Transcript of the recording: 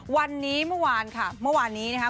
วันนี้เมื่อวานค่ะเมื่อวานนี้นะครับ